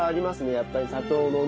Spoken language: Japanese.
やっぱり砂糖のね。